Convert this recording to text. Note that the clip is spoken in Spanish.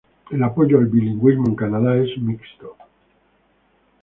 El apoyo al bilingüismo en Canadá es mixto.